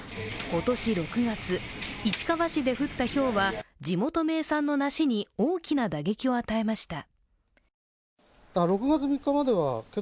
今年６月、市川市で降ったひょうは地元名産の梨に大きな打撃を与えました。